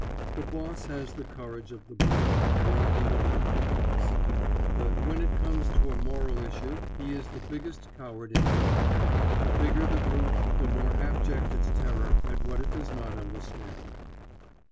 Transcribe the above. The boss has the courage of the brute, or he would not be boss; but when it comes to a moral issue he is the biggest coward in the lot. The bigger the brute the more abject its terror at what it does not understand.